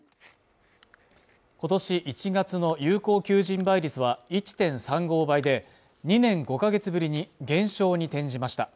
今年１月の有効求人倍率は１．３５倍で、２年５か月ぶりに減少に転じました。